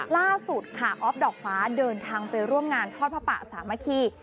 ล่าสุดค่ะออฟดอกฟ้าเดินทางไปร่วมงานทอดพระป่าสามัคคี